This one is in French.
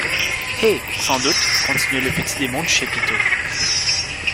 Hé! sans doute, continuait le petit démon du chapiteau.